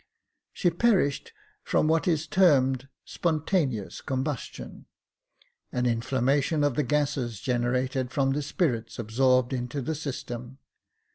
She perished from what is termed spontaneous combustion, an inflammation of the gases generated from the spirits absorbed into the system.